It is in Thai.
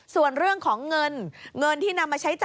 ส่วนเรื่องของเงิน